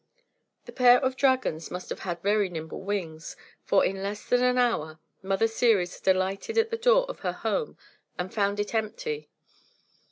The pair of dragons must have had very nimble wings; for, in less than an hour, Mother Ceres had alighted at the door of her home and found it empty.